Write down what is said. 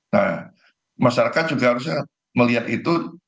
nah masyarakat juga harusnya melihat itu